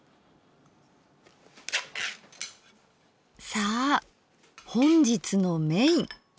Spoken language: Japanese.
さあ本日のメイン。